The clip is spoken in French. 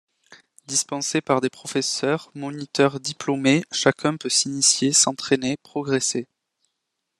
Dispensés par des professeurs, moniteurs diplômés chacun peut s'initier s'entraîner progresser.